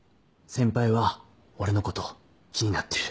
先輩は俺のこと気になってる。